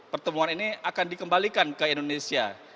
pertemuan ini akan dikembalikan ke indonesia